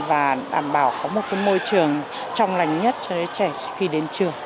và đảm bảo có một môi trường trong lành nhất cho đứa trẻ khi đến trường